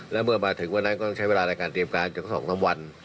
แล้วเมื่อมาถึงวันนั้นก็ต้องใช้เวลาในการเตรียมการจาก๒๓วัน